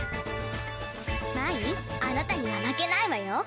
まいんあなたにはまけないわよ。